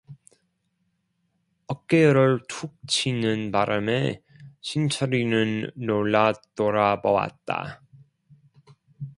어깨를 툭 치는 바람에 신철이는 놀라 돌아보았다.